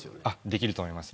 できると思います。